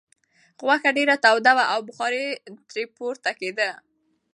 غوښه ډېره توده وه او بخار ترې پورته کېده.